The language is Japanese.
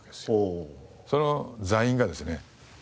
その座員がですね